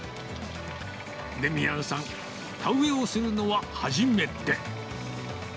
デミアンさん、田植えをするのは初めて。